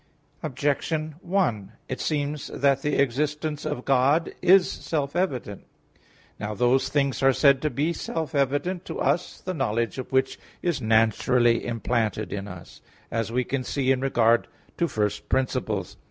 Objection 1: It seems that the existence of God is self evident. Now those things are said to be self evident to us the knowledge of which is naturally implanted in us, as we can see in regard to first principles.